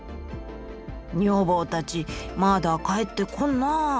「女房たちまだ帰ってこんなぁ」。